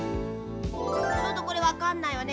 ちょっとこれわかんないわね。